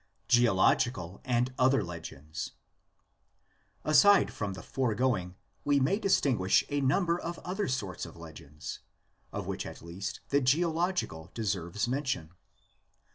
GEOLOGICAL AND OTHER LEGENDS. Aside from the foregoing we may distinguish a number of other sorts of legends, of which at least the geological deserves mention.